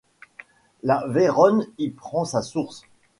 La Véronne y prend sa source.